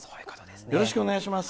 よろしくお願いします。